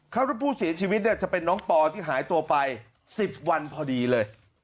ครับทุกผู้เสียชีวิตเนี่ยจะเป็นน้องปอที่หายตัวไป๑๐วันพอดีเลย